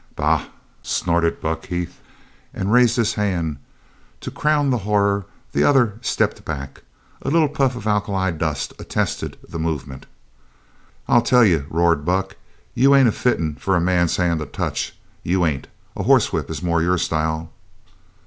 "Bah!" snorted Buck Heath, and raised his hand. To crown the horror, the other stepped back. A little puff of alkali dust attested the movement. "I'll tell you," roared Buck, "you ain't fittin' for a man's hand to touch, you ain't. A hosswhip is more your style."